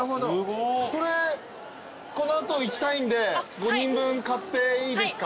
それこの後行きたいんで５人分買っていいですか？